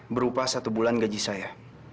berupa satu bulan gaji saya